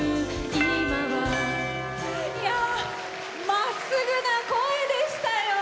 まっすぐな声でしたよ。